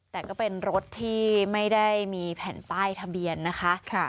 แต่ก็เป็นรถที่ไม่ได้มีแผ่นป้ายทะเบียนนะคะ